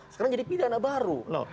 sekarang jadi pidana baru